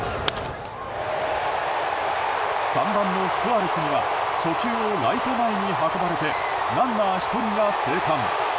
３番のスアレスには初球をライト前に運ばれてランナー１人が生還。